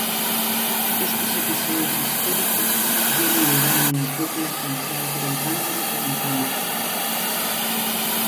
Estos episodios históricos dieron lugar a una copla cantada por el bando republicano.